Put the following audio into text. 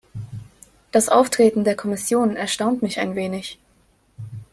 Das Auftreten der Kommission erstaunt mich ein wenig.